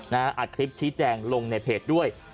อัดคลิปชี้แจงลงในเพจด้วย